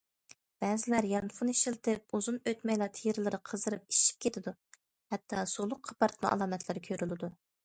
بەزىلەر يانفون ئىشلىتىپ، ئۇزۇن ئۆتمەيلا تېرىلىرى قىزىرىپ ئىششىپ كېتىدۇ، ھەتتا سۇلۇق قاپارتما ئالامەتلىرى كۆرۈلىدۇ.